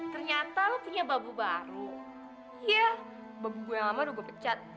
ternyata punya babu baru ya